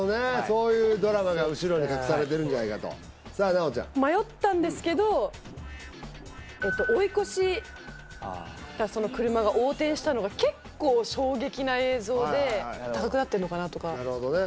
そういうドラマが後ろに隠されてるんじゃないかとさあ奈央ちゃん迷ったんですけどえっと追い越したその車が横転したのが結構衝撃な映像で高くなってんのかなとかなるほどね